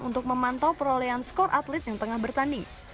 untuk memantau perolehan skor atlet yang tengah bertanding